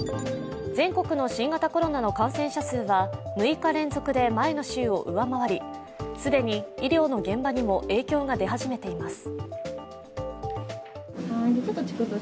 全国の新型コロナの感染者数が６日連続で前の週を上回り既に医療の現場にも影響が出始めています。